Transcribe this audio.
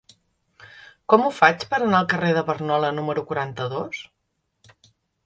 Com ho faig per anar al carrer de Barnola número quaranta-dos?